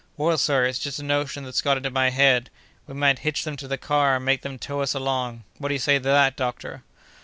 "Well, sir, it's just a notion that's got into my head: we might hitch them to the car, and make them tow us along. What do you say to that, doctor?"